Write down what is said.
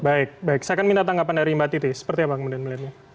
baik baik saya akan minta tanggapan dari mbak titi seperti apa kemudian melihatnya